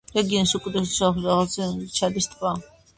რეგიონის უკიდურეს სამხრეთ-აღმოსავლეთში მდებარეობს ჩადის ტბა.